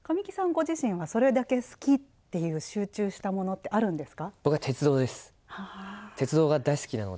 ご自身はそれだけ好きっていう、集中したものってあるんですか？